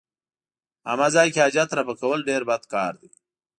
عامه ځای کې حاجت رفع کول ډېر بد کار دی.